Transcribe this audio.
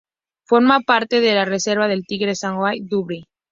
Forma parte de la reserva del tigre Sanjay-Dubri.